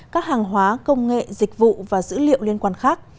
các hàng hóa công nghệ dịch vụ và dữ liệu liên quan khác